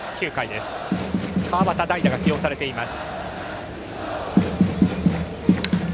代打、川端が起用されています。